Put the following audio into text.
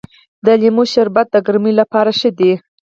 د لیمو شربت د ګرمۍ لپاره ښه دی.